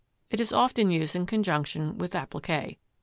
It is often used in conjunction with appliqué.